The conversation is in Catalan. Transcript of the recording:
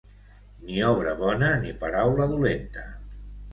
Ni obra bona ni paraula dolenta.